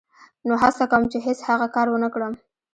نو هڅه کوم چې هېڅ هغه کار و نه کړم.